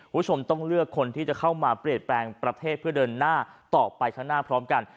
คุณผู้ชมต้องเลือกคนที่จะเข้ามาเปลี่ยนแปลงประเทศเพื่อเดินหน้าต่อไปข้างหน้าพร้อมกัน